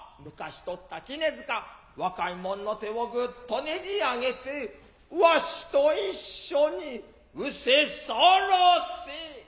若い者の手をぐうっとねじあげて「俺と一緒にうせさらせ」。